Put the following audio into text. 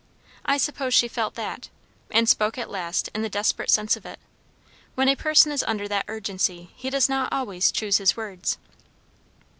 I suppose she felt that, and spoke at last in the desperate sense of it. When a person is under that urgency, he does not always choose his words.